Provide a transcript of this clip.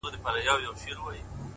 گراني دې ځاى كي دغه كار وچاته څه وركوي؛